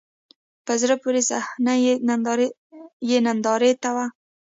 په زړه پورې صحنه یې نندارې ته و.